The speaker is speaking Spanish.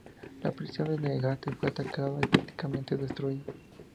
La prisión de Newgate fue atacada y prácticamente destruida.